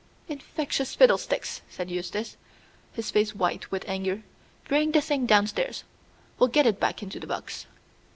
"Infectious fiddlesticks!" said Eustace, his face white with anger; "bring the thing downstairs. We'll get it back into the box."